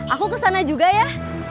aku kesana juga ya